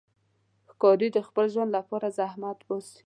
ښکاري د خپل ژوند لپاره زحمت باسي.